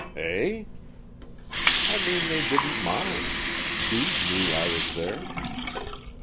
"Eh?" "I mean they didn't mind. Bede knew I was there."